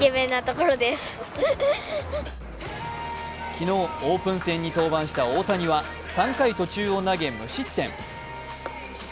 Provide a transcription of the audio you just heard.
昨日、オープン戦に登板した大谷は３回途中を投げ、無失点。